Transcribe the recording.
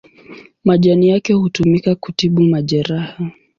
Majani yake hutumika kutibu majeraha.